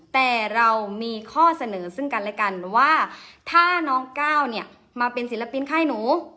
แต่เรามีข้อเสนอซึ่งกันและกันว่าถ้าน้องก้าวเนี่ยมาเป็นศิลปินค่ายหนู